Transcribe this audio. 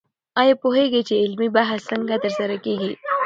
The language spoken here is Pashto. آیا پوهېږئ چې علمي بحث څنګه ترسره کېږي؟